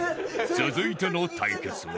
続いての対決は